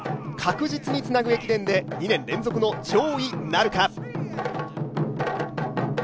確実につなぐ駅伝で２年連続の上位なるか。